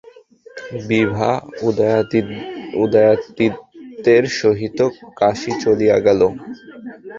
বিভা উদয়াদিত্যের সহিত কাশী চলিয়া গেল।